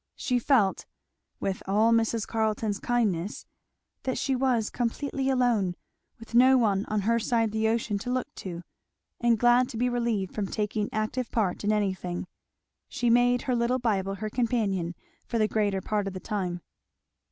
She felt, with all Mrs. Carleton's kindness, that she was completely alone, with no one on her side the ocean to look to; and glad to be relieved from taking active part in anything she made her little Bible her companion for the greater part of the time.